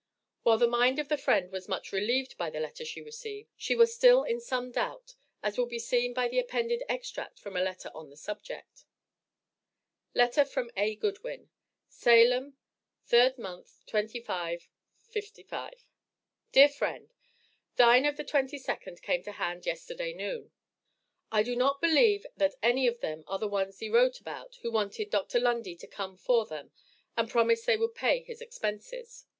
While the mind of the friend was much relieved by the letter she received, she was still in some doubt, as will be seen by the appended extract from a letter on the subject: LETTER FROM A. GOODWIN. SALEM, 3 mo., 25, '55. DEAR FRIEND: Thine of the 22d came to hand yesterday noon. I do not believe that any of them are the ones thee wrote about, who wanted Dr. Lundy to come for them, and promised they would pay his expenses.